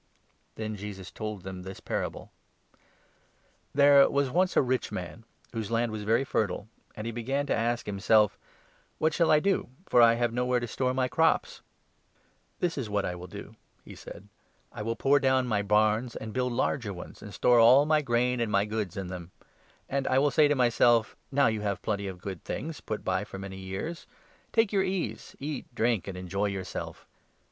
Then Jesus told them this parable —" There was once a rich man whose land was very fertile ; and he began to ask himself ' What shall I do, for I have nowhere to store my crops ? This is what I will do,' he said ;' I will pull down my barns and build larger ones, and store all my grain and my goods in them ; and I will say to myself, Now you have plenty of good things put by for many years ; take your ease, eat, drink, and enjoy yourself.'